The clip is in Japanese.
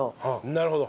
なるほど。